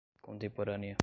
contemporânea